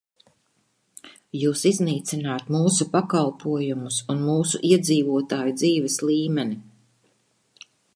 Jūs iznīcināt mūsu pakalpojumus un mūsu iedzīvotāju dzīves līmeni.